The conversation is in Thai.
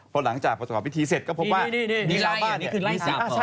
พอหลังจากประกอบพิธีเจ็ดก็พบว่า